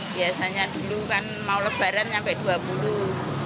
biasanya dulu kan mau lebaran sampai dua puluh